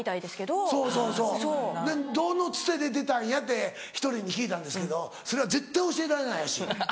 どのつてで出たんや？ってひとりに聞いたんですけどそれは絶対教えられないらしい。